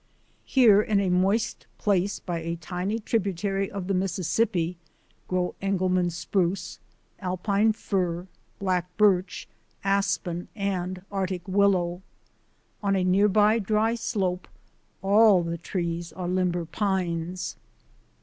Here, in a moist place by a tiny tributary of the Mississippi, grow Engelmann spruce, Al pine fir, black birch, aspen, and Arctic willow. On a near by dry slope all the trees are limber pines.